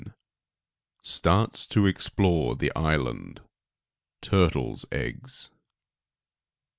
* *Starts to Explore the Island; Turtles' Eggs.